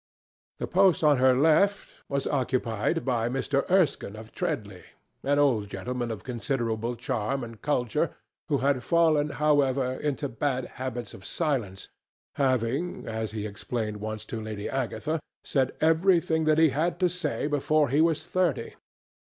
The post on her left was occupied by Mr. Erskine of Treadley, an old gentleman of considerable charm and culture, who had fallen, however, into bad habits of silence, having, as he explained once to Lady Agatha, said everything that he had to say before he was thirty.